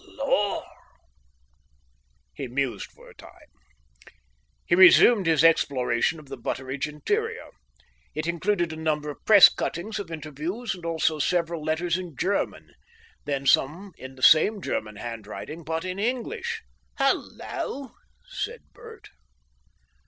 "Lord!" He mused for a time. He resumed his exploration of the Butteridge interior. It included a number of press cuttings of interviews and also several letters in German, then some in the same German handwriting, but in English. "Hul LO!" said Bert.